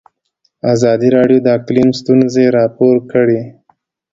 ازادي راډیو د اقلیم ستونزې راپور کړي.